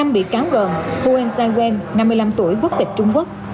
năm bị cáo gồm huên sai quen năm mươi năm tuổi quốc tịch trung quốc